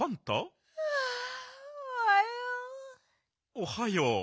おはよう。